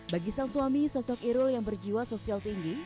bagi sang suami sosok irul yang berjiwa sosial tinggi